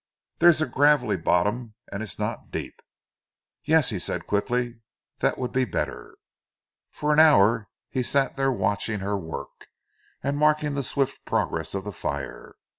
There's a gravelly bottom and it's not deep." "Yes!" he said quickly. "That would be better!" For an hour he sat there watching her work, and marking the swift progress of the fire.